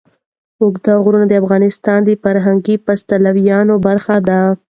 اوږده غرونه د افغانستان د فرهنګي فستیوالونو برخه ده.